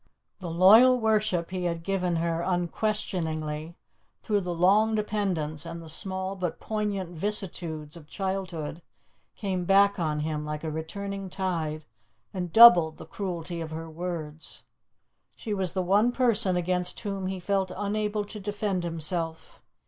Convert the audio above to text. The loyal worship he had given her unquestioning through the long dependence and the small but poignant vicissitudes of childhood came back on him like a returning tide and doubled the cruelty of her words. She was the one person against whom he felt unable to defend himself.